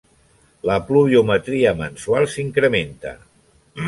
La pluviometria mensual s'incrementa.